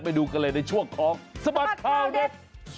ไปดูกันเลยในช่วงของสบัดข่าวเด็ด